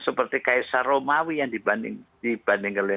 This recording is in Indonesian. seperti kaisar romawi yang dibandingkan